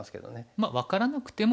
まあ分からなくても。